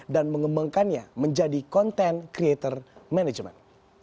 dan mengembangkannya menjadi content creator management